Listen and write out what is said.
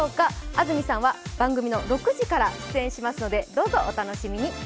安住さんは番組の６時から出演しますので、どうぞお楽しみに。